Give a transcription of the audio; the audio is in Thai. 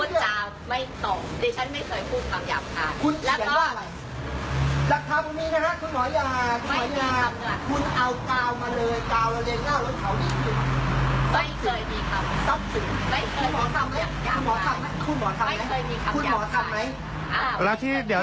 คุณหมอสั่งไหมคุณหมอสั่งไหมคุณหมอสั่งไหม